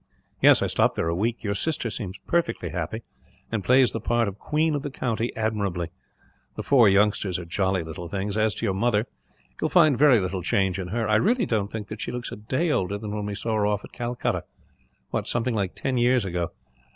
"Yes, I stopped there a week. Your sister seems perfectly happy, and plays the part of queen of the county admirably. The four youngsters are jolly little things. As to your mother, you will find very little change in her. I really don't think that she looks a day older than when we saw her off, at Calcutta, something like ten years ago.